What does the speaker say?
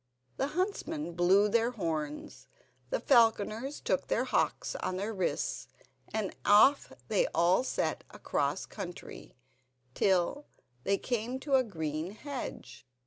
The huntsmen blew their horns, the falconers took their hawks on their wrists, and off they all set out across country till they came to a green hedge.